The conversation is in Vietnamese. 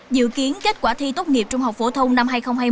dự kiến kết quả thi tốt nghiệp trung học phổ thông năm hai nghìn hai mươi